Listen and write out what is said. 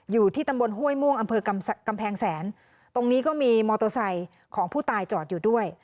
อยู่ที่ตำบลห้วยม่วงอำเภอกำแพงแสนตรงนี้ก็มีมอเตอร์ไซค์ของผู้ตายจอดอยู่ด้วย